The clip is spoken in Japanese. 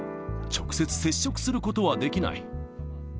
直接接触することはできない。